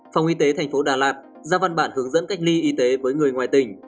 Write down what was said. phòng y tế thành phố đà lạt ra văn bản hướng dẫn cách ly y tế với người ngoài tỉnh